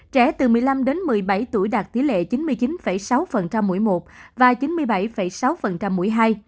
trẻ từ một mươi năm đến một mươi bảy tuổi đạt tỷ lệ chín mươi chín sáu mũi một và chín mươi bảy sáu mũi hai